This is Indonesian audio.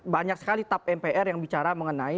banyak sekali tap mpr yang bicara mengenai